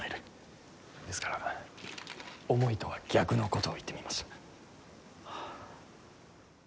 ですから思いとは逆のことを言ってみました。